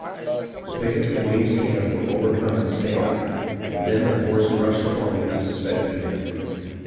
The pickets of Wayne's camp were overcome and stabbed, and then the force rushed upon the unsuspecting men.